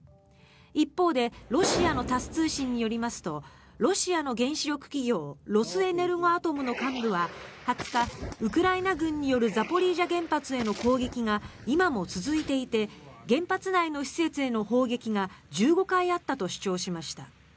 一方でロシアのタス通信によりますとロシアの原子力企業ロスエネルゴアトムの幹部は２０日、ウクライナ軍によるザポリージャ原発への攻撃が今も続いていて原発内の施設への砲撃が１５回あったと主張しました。